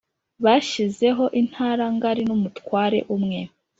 Bashyizeho intara ngari n'umutware umwe.